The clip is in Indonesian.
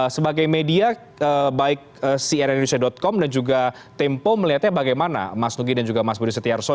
sebagai media baik cnn indonesia com dan juga tempo melihatnya bagaimana mas nugi dan juga mas budi setiarso